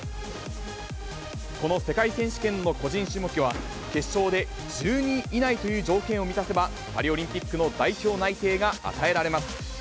この世界選手権の個人種目は、決勝で１２位以内という条件を満たせば、パリオリンピックの代表内定が与えられます。